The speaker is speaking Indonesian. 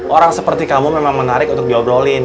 orang seperti kamu memang menarik untuk diobrolin